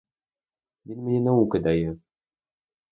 Він мені науки дає.